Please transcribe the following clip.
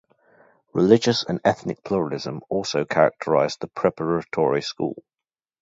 Religious and ethnic pluralism also characterized the preparatory school.